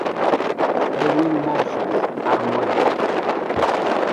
Edwin Moses ha muerto.